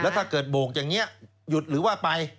ถ้าเกิดโบกอย่างนี้หยุดหรือว่าไป